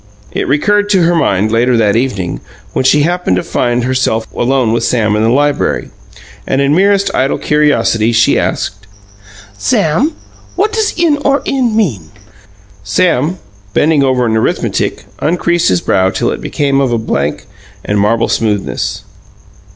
It recurred to her mind, later that evening, when she happened to find herself alone with Sam in the library, and, in merest idle curiosity, she asked: "Sam, what does 'In Or In' mean?" Sam, bending over an arithmetic, uncreased his brow till it became of a blank and marble smoothness.